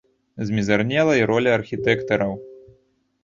Змізарнела і роля архітэктараў.